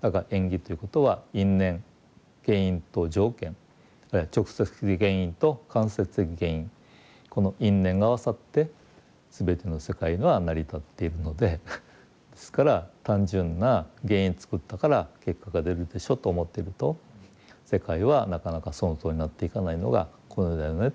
だから縁起ということは因縁原因と条件あるいは直接的原因と間接的原因この因縁が合わさって全ての世界が成り立っているのでですから単純な原因を作ったから結果が出るでしょと思ってると世界はなかなかそのとおりになっていかないのがこの世だよねと。